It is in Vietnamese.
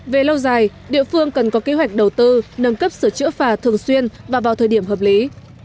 về lâu dài địa phương cần có kế hoạch đầu tư nâng cấp sửa chữa phà thường xuyên và vào thời điểm hợp lý